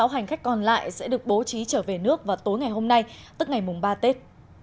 một trăm sáu mươi sáu hành khách còn lại sẽ được bố trí trở về nước vào tối ngày hôm nay tức ngày ba tết